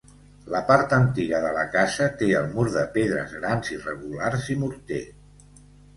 La part antiga de la casa té el mur de pedres grans irregulars i morter.